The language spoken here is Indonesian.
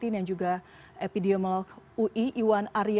yang juga epidemiolog ui iwan arya